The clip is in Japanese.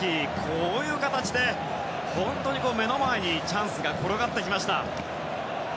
こういう形で、本当に目の前にチャンスが転がってきました。